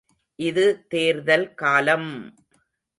இது தேர்தல் காலம்!